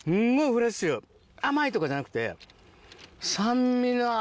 甘い！とかじゃなくて。